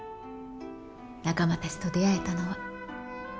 仲間たちと出会えたのは。